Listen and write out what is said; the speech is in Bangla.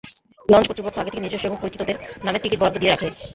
লঞ্চ কর্তৃপক্ষ আগে থেকে নিজস্ব এবং পরিচিতদের নামে টিকিট বরাদ্দ দিয়ে রাখে।